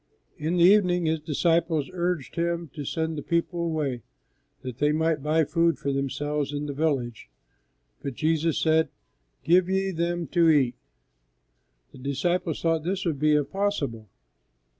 In the evening His disciples urged Him to send the people away that they might buy food for themselves in the village; but Jesus said, "Give ye them to eat." The disciples thought this would be impossible.